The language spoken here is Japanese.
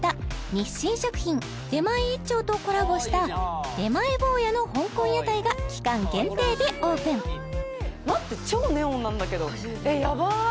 日清食品「出前一丁」とコラボした出前坊やの香港屋台が期間限定でオープン待って超ネオンなんだけどえっヤバっ！